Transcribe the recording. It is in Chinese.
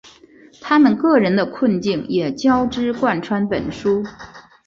他们个人的困境也交织贯穿本书。